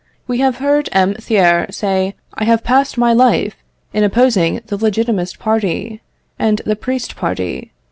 We have heard M. Thiers say "I have passed my life in opposing the legitimist party and the priest party.